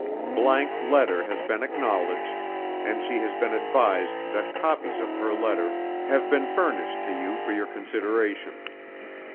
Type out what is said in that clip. ____ letter has been acknowledged and she has been advised that copies of her letter have been furnished to you for your consideration.